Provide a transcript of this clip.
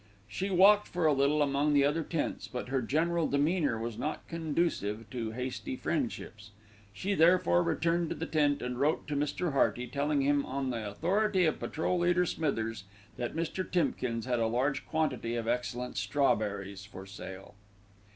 She walked for a little among the other tents; but her general demeanour was not conducive to hasty friendships. She therefore returned to the tent and wrote to Mr. Hearty, telling him, on the authority of Patrol leader Smithers, that Mr. Timkins had a large quantity of excellent strawberries for sale.